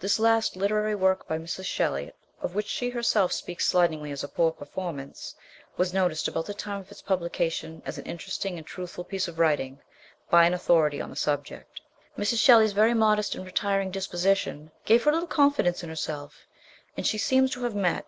THIS last literary work by Mrs. Shelley, of which she herself speaks siightiugly as a poor performance, was noticed about the time of its publication as an interesting and truthful piece of writing by an autho rity on the subject. Mrs. Shelley's very modest and retiring disposition gave her little confidence in her self, and she seems to have met.